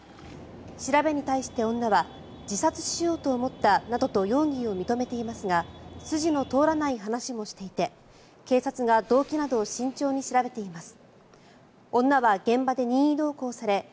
調べに対して女は自殺しようと思ったなどと容疑を認めていますが筋の通らない話もしていて警察が動機などを慎重に調べています。